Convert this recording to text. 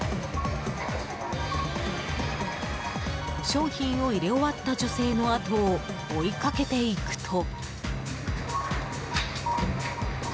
商品を入れ終わった女性の後を追いかけていくと。